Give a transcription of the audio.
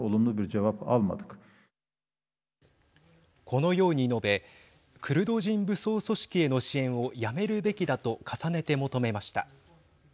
このように述べクルド人武装組織への支援をやめるべきだと重ねて求めました。